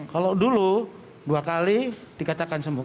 kalau dulu dua kali dikatakan sembuh